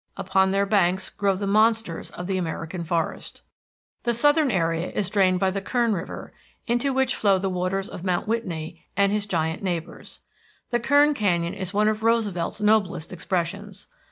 Upon their banks grow the monsters of the American forest. The southern area is drained by the Kern River, into which flow the waters of Mount Whitney and his giant neighbors. The Kern Canyon is one of Roosevelt's noblest expressions.